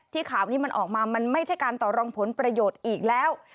ข่าวนี้มันออกมามันไม่ใช่การต่อรองผลประโยชน์อีกแล้ว